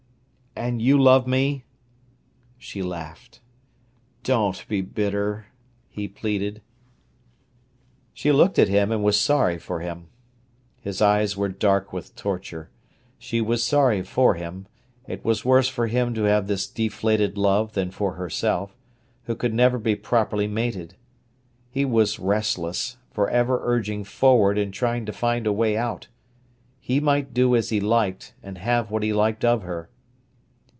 "And you love me?" She laughed. "Don't be bitter," he pleaded. She looked at him and was sorry for him; his eyes were dark with torture. She was sorry for him; it was worse for him to have this deflated love than for herself, who could never be properly mated. He was restless, for ever urging forward and trying to find a way out. He might do as he liked, and have what he liked of her.